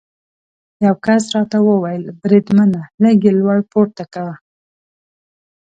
یو کس راته وویل: بریدمنه، لږ یې لوړ پورته کوه.